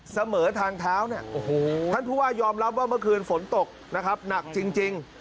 เสมอทางเท้าเนี่ยท่านผู้ว่ายอมรับว่าเมื่อคืนฝนตกนะครับหนักจริง